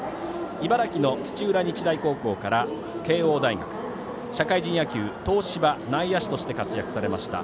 茨城の土浦日大高校から慶応大学社会人野球、東芝内野手として活躍されました。